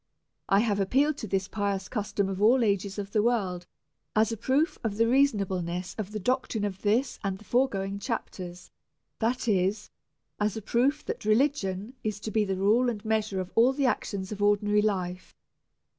I have appealed to this pious custom of all ages of the world, as a proof of the reasonableness of the doc trine of this and the foregoing chapters ; that is^ as a proof that religion is to be the rule and measure of ail the actions of ordinary life.